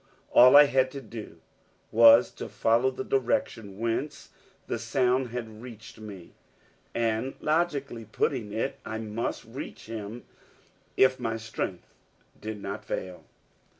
All I had to do was to follow the direction whence the sound had reached me; and logically putting it, I must reach him if my strength did not fail.